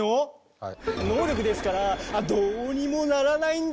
能力ですからどうにもならないんですよ。